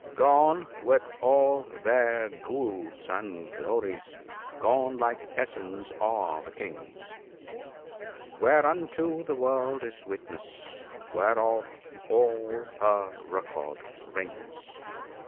"" Gone, with all their gauds and glories : gone, like peasants, are the Kings, Whereunto the world is witness, whereof all her record rings."